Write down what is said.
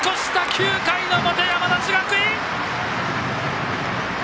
９回の表、山梨学院！